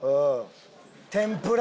天ぷら！